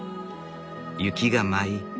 雪が舞い